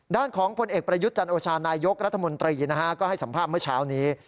ของผลเอกประยุทธ์จันโอชานายกรัฐมนตรีก็ให้สัมภาษณ์เมื่อเช้านี้